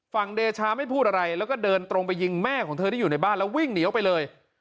เดชาไม่พูดอะไรแล้วก็เดินตรงไปยิงแม่ของเธอที่อยู่ในบ้านแล้ววิ่งหนีออกไปเลย